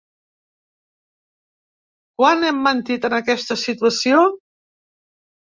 Quan hem mentit en aquesta situació?